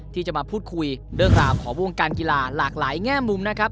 ที่จะมาพูดคุยเรื่องราวของวงการกีฬาหลากหลายแง่มุมนะครับ